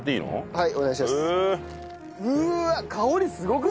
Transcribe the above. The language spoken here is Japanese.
はい。